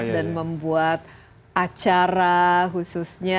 dan membuat acara khususnya